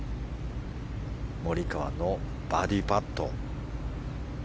モリカワのバーディーパット。